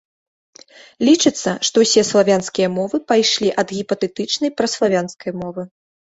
Лічыцца, што ўсе славянскія мовы пайшлі ад гіпатэтычнай праславянскай мовы.